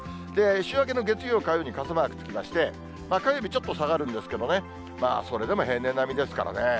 週明けの月曜、火曜に傘マークつきまして、火曜日ちょっと下がるんですけどね、それでも平年並みですからね。